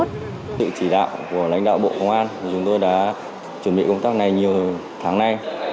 sự chỉ đạo của lãnh đạo bộ công an thì chúng tôi đã chuẩn bị công tác này nhiều tháng nay